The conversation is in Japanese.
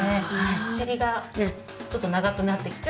お尻がちょっと長くなってきて。